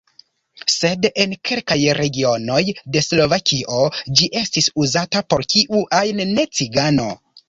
Sed en kelkaj regionoj de Slovakio ĝi estis uzata por kiu ajn ne-cigano.